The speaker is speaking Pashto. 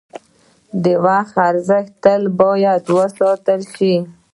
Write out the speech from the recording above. د وخت ارزښت تل باید وساتل شي.